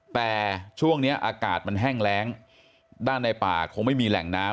แต่ช่วงนี้อากาศมันแห้งแรงด้านในป่าคงไม่มีแหล่งน้ำ